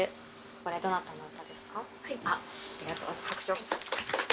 これ、どなたの歌ですか？